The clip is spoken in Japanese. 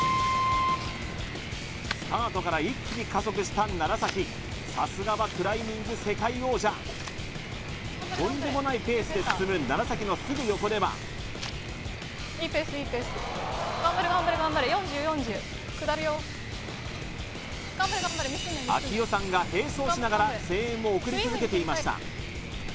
スタートから一気に加速した楢さすがはクライミング世界王者とんでもないペースで進む楢のすぐ横では頑張れ４０４０下るよ啓代さんが並走しながら声援を送り続けていました